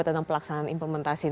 tentang pelaksanaan implementasi